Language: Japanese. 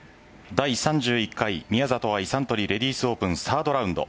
第３１回宮里藍サントリーレディスオープンサードグラウンド